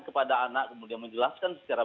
kepada anak kemudian menjelaskan secara